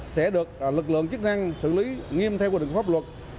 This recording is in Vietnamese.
sẽ được lực lượng chức năng xử lý nghiêm theo quy định pháp luật